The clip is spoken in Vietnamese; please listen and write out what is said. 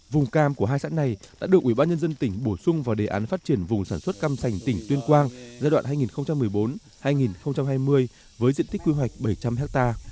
vùng cam của hai xã này đã được ủy ban nhân dân tỉnh bổ sung vào đề án phát triển vùng sản xuất cam sành tỉnh tuyên quang giai đoạn hai nghìn một mươi bốn hai nghìn hai mươi với diện tích quy hoạch bảy trăm linh ha